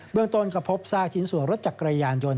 เมืองต้นก็พบซากชิ้นส่วนรถจักรยานยนต